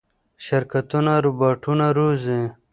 شرکتونه روباټونه روزي.